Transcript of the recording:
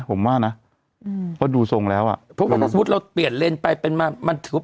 ผมว่านะอืมเพราะดูทรงแล้วอ่ะเพราะว่าถ้าสมมุติเราเปลี่ยนเลนไปเป็นมามันถือ